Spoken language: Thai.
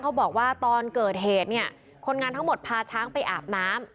บอกว่าตอนเกิดเหตุเนี่ยคนงานทั้งหมดพาช้างไปอาบน้ำ